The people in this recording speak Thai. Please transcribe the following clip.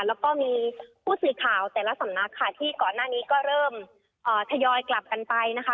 แล้วก็มีผู้สื่อข่าวแต่ละสำนักค่ะที่ก่อนหน้านี้ก็เริ่มทยอยกลับกันไปนะคะ